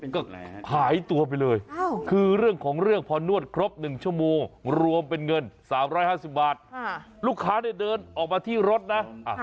ก็หายตัวไปเลยคือเรื่องของเรื่องพอนวดครบ๑ชั่วโมงรวมเป็นเงิน๓๕๐บาทลูกค้าเนี่ยเดินออกมาที่รถนะ